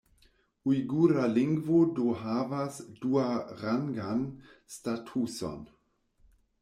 Ujgura lingvo do havas duarangan statuson.